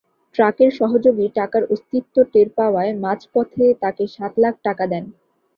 ট্রাকের সহযোগী টাকার অস্তিত্ব টের পাওয়ায় মাঝপথে তাঁকে সাত লাখ টাকা দেন।